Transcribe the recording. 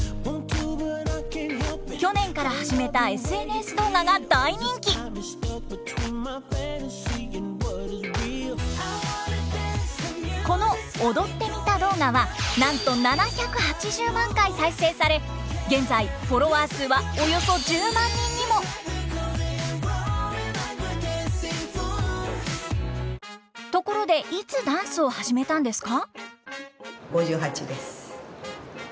去年から始めたこの「踊ってみた動画」はなんと７８０万回再生され現在フォロワー数はおよそ１０万人にもところでいつダンスを始めたんですか？